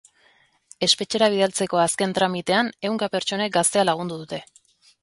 Espetxera bidaltzeko azken tramitean ehunka pertsonek gaztea lagundu dute.